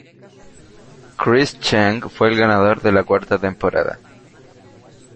Chris Cheng fue el ganador de la cuarta temporada.